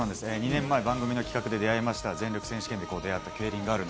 ２年前、番組の企画で出会いました、全力選手権で出会った競輪ガール。